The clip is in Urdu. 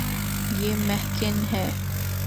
یے مہکن ہے